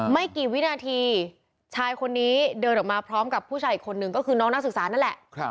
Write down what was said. ไม่กี่วินาทีชายคนนี้เดินออกมาพร้อมกับผู้ชายอีกคนนึงก็คือน้องนักศึกษานั่นแหละ